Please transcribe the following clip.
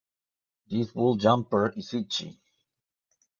This wool jumper is itchy.